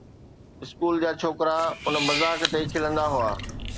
school جا ڇوڪرا ان مذاق تي کلندا هئا